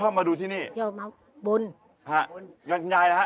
นับถือไหมฮะ